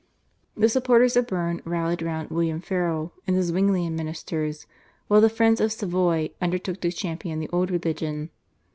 The supporters of Berne rallied round William Farel and the Zwinglian ministers, while the friends of Savoy undertook to champion the old religion.